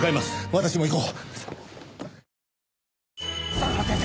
私も行こう。